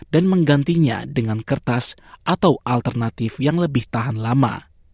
dan menggantinya dengan kertas atau alternatif yang lebih tahan lama